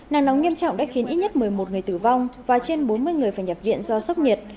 nắng nóng nghiêm trọng đã khiến ít nhất một mươi một người tử vong và trên bốn mươi người phải nhập viện do sốc nhiệt